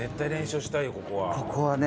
ここはね。